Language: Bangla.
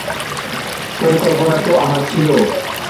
পরিকল্পনা তো আমার ছিলো।